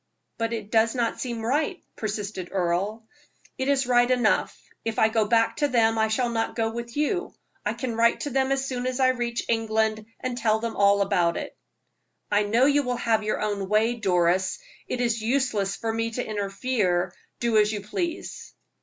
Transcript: "But it does not seem right," persisted Earle. "It is right enough; if I go back to them I shall not go with you. I can write to them as soon as I reach England, and tell them all about it." "I know you will have your own way, Doris. It is useless for me to interfere; do as you please."